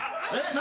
何？